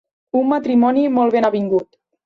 Un matrimoni molt ben avingut.